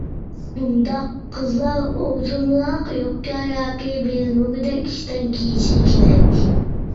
بۇنداق قىزلار ئۇزۇنراق يوپكا، ياكى بىلىنمىگۈدەك ئىشتان كىيىشى كېرەك.